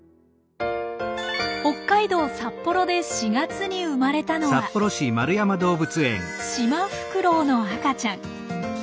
北海道札幌で４月に生まれたのはシマフクロウの赤ちゃん。